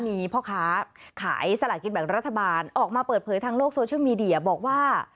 มีพ่อค้าขายสลากินแบ่งรัฐบาลออกมาเปิดเผยทางโลกโซเชียลมีเดียบอกว่า